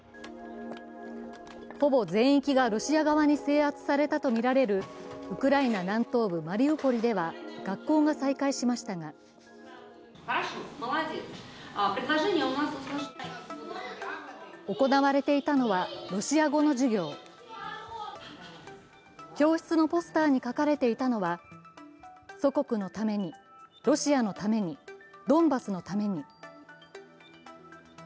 ほぼ全域がロシア側に制圧されたとみられるウクライナ南東部マリウポリでは学校が再開しましたが、行われていたのは、ロシア語の授業教室のポスターに書かれていたのは、祖国のために、ロシアのために、ドンバスのために。